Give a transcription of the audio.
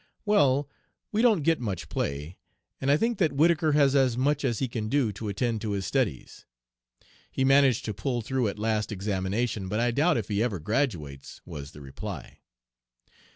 'Well, we don't get much play, and I think that Whittaker has as much as he can do to attend to his studies. He managed to pull through at last examination, but I doubt if he ever graduates,' was the reply.